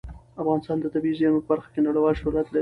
افغانستان د طبیعي زیرمې په برخه کې نړیوال شهرت لري.